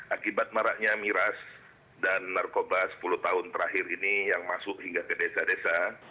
akibat maraknya miras dan narkoba sepuluh tahun terakhir ini yang masuk hingga ke desa desa